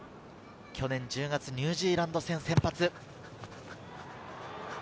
去年１０月、ニュージーランド戦に先発。